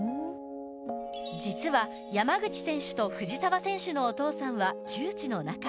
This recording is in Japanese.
実は山口選手と藤澤選手のお父さんは旧知の仲